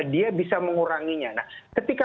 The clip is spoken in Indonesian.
dia bisa menguranginya nah ketika